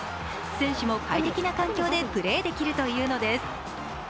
選手も快適な環境でプレーできるというのです。